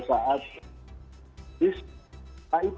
dan memang tidak mudah memiliki keinginan yang berbeda